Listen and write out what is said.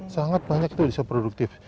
sangat banyak itu bisa produktif